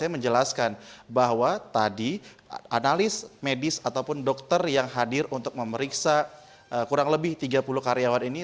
menjelaskan bahwa tadi analis medis ataupun dokter yang hadir untuk memeriksa kurang lebih tiga puluh karyawan ini